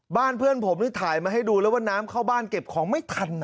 เพื่อนผมนี่ถ่ายมาให้ดูแล้วว่าน้ำเข้าบ้านเก็บของไม่ทัน